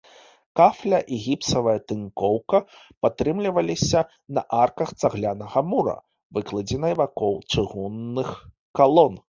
Кафля і гіпсавая тынкоўка падтрымліваліся на арках цаглянага мура, выкладзенай вакол чыгунных калон.